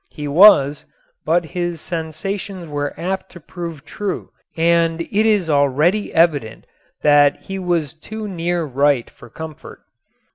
He was, but his sensations were apt to prove true and it is already evident that he was too near right for comfort.